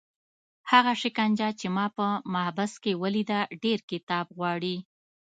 هغه شکنجه چې ما په محبس کې ولیده ډېر کتاب غواړي.